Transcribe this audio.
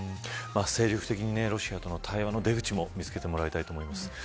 精力的にロシアとの対話の出口も見つけてもらいたいと思います。